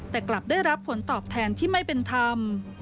แต่กลับได้รับผลตอบแทนที่ไม่เป็นธรรม